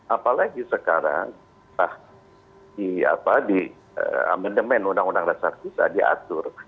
apalagi sekarang di amendemen undang undang dasar bisa diatur